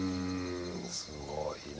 すごいね。